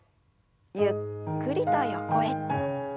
ゆっくりと横へ。